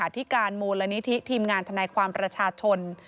ที่การมูลนิธิทีมงานทนายความประชาชน